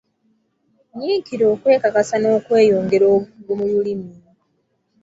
Nyiikira okwekakasa n'okweyongera obukugu mu lulimi.